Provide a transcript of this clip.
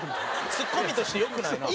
ツッコミとして良くないな。